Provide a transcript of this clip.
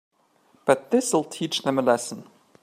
But this'll teach them a lesson.